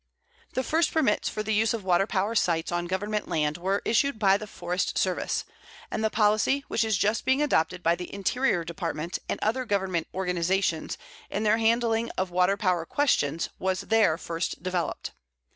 The first permits for the use of waterpower sites on Government land were issued by the Forest Service, and the policy which is just being adopted by the Interior Department and other Government organizations in their handling of waterpower questions was there first developed.